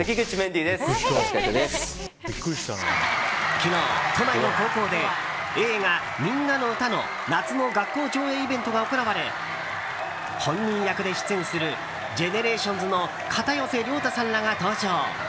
昨日、都内の高校で映画「ミンナのウタ」の夏の学校上映イベントが行われ本人役で出演するＧＥＮＥＲＡＴＩＯＮＳの片寄涼太さんらが登場。